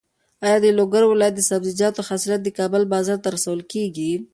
ایا د لوګر ولایت د سبزیجاتو حاصلات د کابل بازار ته رسول کېږي؟